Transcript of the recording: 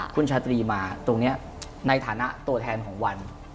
คุณชาตรีมาตรงนี้ในฐานะตัวแทนของวัน